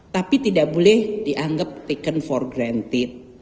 tapi tidak boleh dianggap taken for granted